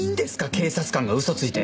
警察官が嘘ついて。